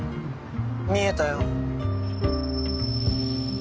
見えたよ。